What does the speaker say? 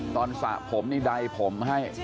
สระผมนี่ใดผมให้